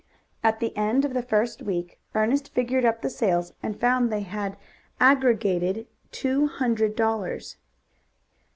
At the end of the first week Ernest figured up the sales and found they aggregated two hundred dollars.